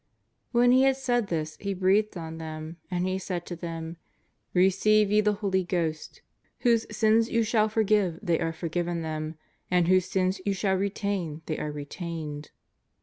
When He had said this He breathed on them, and He said to them :" Receive ye the Holy Ghost ; whose JESUS OF NAZAEETH. 383 sins you shall forgive, they are forgiven them ; and whose sins you shall retain, they are retained.''